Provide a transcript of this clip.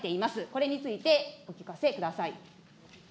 これについて、お聞かせください。